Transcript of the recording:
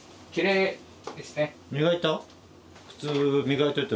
磨いた？